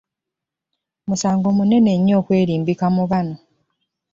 Musango munene nnyo okwerimbika mu banno.